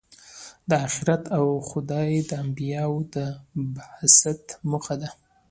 دا آخرت او خدای د انبیا د بعثت موخه ده.